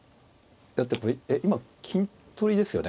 だってこれえっ今金取りですよね。